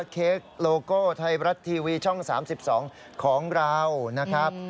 เค้กโลโก้ไทยรัฐทีวีช่อง๓๒ของเรานะครับ